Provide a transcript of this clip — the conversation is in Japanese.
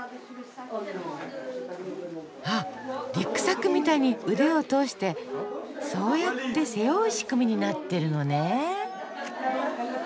あっリュックサックみたいに腕を通してそうやって背負う仕組みになってるのね。